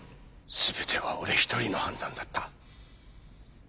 全ては俺一人の判断だった。